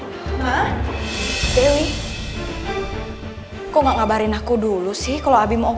hah dewi kok nggak ngabarin aku dulu sih kalau abim operasi